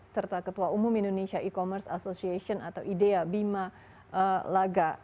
serta ketua umum indonesia e commerce association atau idea bima laga